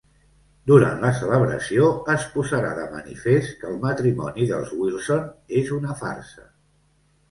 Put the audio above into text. Durant la celebració es posarà de manifest que el matrimoni dels Wilson és una farsa.